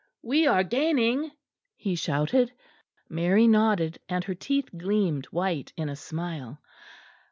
"We are gaining!" he shouted. Mary nodded, and her teeth gleamed white in a smile.